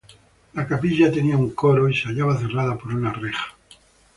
La capilla tenía un coro y se hallaba cerrada por una reja.